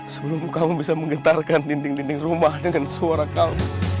sebelum kamu bisa menggentarkan dinding dinding rumah dengan suara kamu